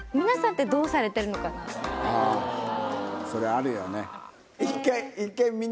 それあるよね。